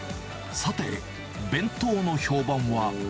さて、弁当の評判は。